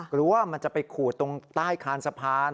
กลัวว่ามันจะไปขูดตรงใต้คานสะพาน